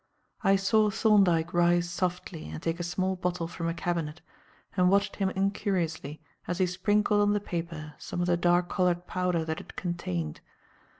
I saw Thorndyke rise softly and take a small bottle from a cabinet, and watched him incuriously as he sprinkled on the paper some of the dark coloured powder that it contained.